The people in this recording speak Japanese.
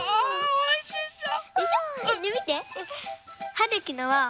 おいしそう！